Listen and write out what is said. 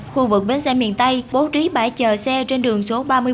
khu vực bến xe miền tây bố trí bãi chờ xe trên đường số ba mươi một